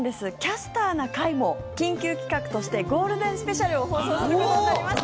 「キャスターな会」も緊急企画としてゴールデンスペシャルを放送することになりました！